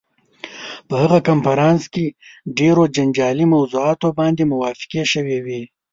په هغه کنفرانس کې ډېرو جنجالي موضوعاتو باندې موافقې شوې وې.